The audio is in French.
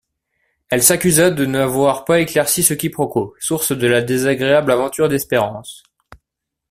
Elle s'accusa de n'avoir pas éclairci ce quiproquo, source de la désagréable aventure d'Espérance.